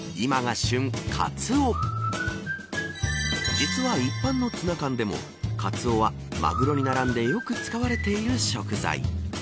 実は一般のツナ缶でもカツオはマグロに並んでよく使われている食材。